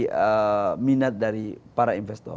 yang menjadi keinginan dari para investor